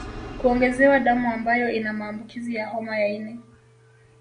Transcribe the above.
Kuongezewa damu ambayo ina maambukizi ya homa ya ini